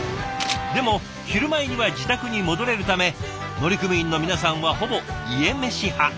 でも昼前には自宅に戻れるため乗組員の皆さんはほぼ家メシ派。